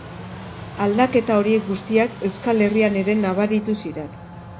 Aldaketa horiek guztiak Euskal Herrian ere nabaritu ziren.